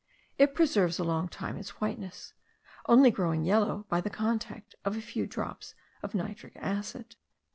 It preserves a long time its whiteness, only growing yellow by the contact of a few drops of nitric acid.